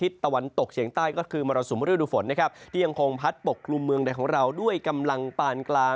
สองทิศทางคือที่มาปั๊ดทะกัน